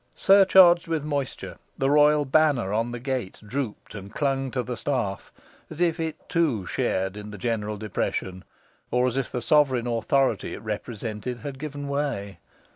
Surcharged with moisture, the royal banner on the gate drooped and clung to the staff, as if it too shared in the general depression, or as if the sovereign authority it represented had given way.